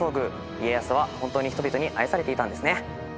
家康は本当に人々に愛されていたんですね。